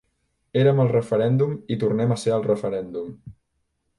Érem al referèndum i tornem a ser al referèndum.